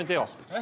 え？